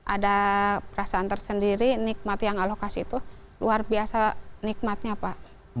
ada perasaan tersendiri nikmat yang allah kasih itu luar biasa nikmatnya pak